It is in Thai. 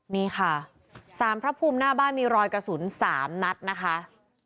นี่ค่ะสารพระภูมิหน้าบ้านมีรอยกระสุน๓นัดนะคะ